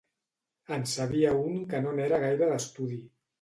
En sabia un que no n'era gaire d'estudi